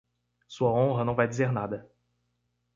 Sua honra não vai dizer nada.